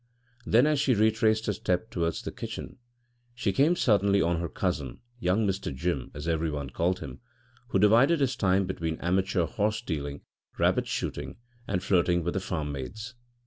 Then, as she retraced her steps towards the kitchen, she came suddenly on her cousin, young Mr. Jim, as every one called him, who divided his time between amateur horse dealing, rabbit shooting, and flirting with the farm maids.